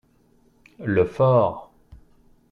le fort.